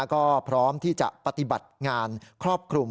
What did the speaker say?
ก็พร้อมที่จะปฏิบัติงานครอบคลุม